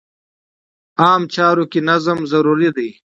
عامه چارو کې نظم ضروري دی.